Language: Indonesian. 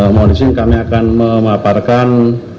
mohon izin kami akan memaparkan